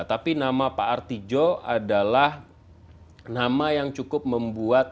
tapi nama pak artijo adalah nama yang cukup membuat